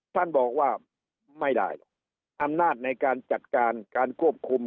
ท่านบอกว่าไม่ได้หรอกอำนาจในการจัดการการควบคุม